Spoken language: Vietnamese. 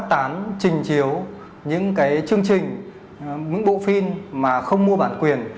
tán trình chiếu những cái chương trình những bộ phim mà không mua bản quyền